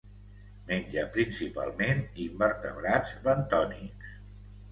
Menja principalment invertebrats bentònics.